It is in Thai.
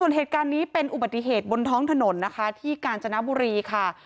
ส่วนเหตุการณ์นี้เป็นอุบัติเหตุบนท้องถนนนะคะที่กาญจนบุรีค่ะ